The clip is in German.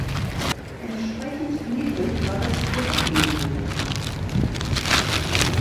Entsprechend niedrig war das Grip-Niveau.